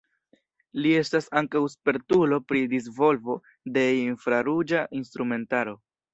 Li estas ankaŭ spertulo pri disvolvo de infraruĝa instrumentaro.